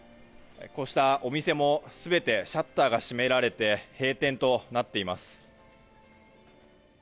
こうしたお店も全てシャッターが閉められて閉店となっています。